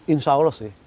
insya allah sih